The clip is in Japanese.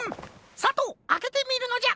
さとうあけてみるのじゃ。